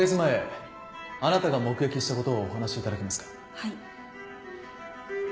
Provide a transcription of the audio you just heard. はい。